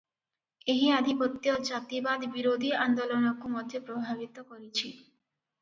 ଏହି ଆଧିପତ୍ୟ ଜାତିବାଦ-ବିରୋଧୀ ଆନ୍ଦୋଳନକୁ ମଧ୍ୟ ପ୍ରଭାବିତ କରିଛି ।